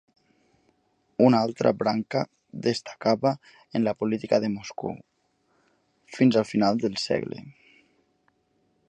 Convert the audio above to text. Una altra branca destacava en la política de Moscou fins al final del segle.